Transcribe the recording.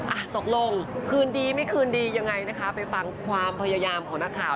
อ่ะตกลงคืนดีไม่คืนดียังไงนะคะไปฟังความพยายามของนักข่าว